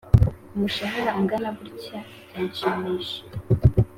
kumushahara ungana guntya byanshimishije